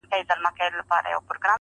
هر څوک پر خپله ټيکۍ اور اړوي.